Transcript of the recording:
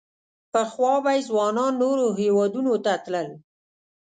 پخوا به یې ځوانان نورو هېوادونو ته تلل.